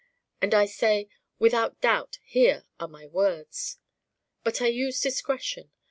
And I say, 'Without doubt here are my words.' But I use discretion.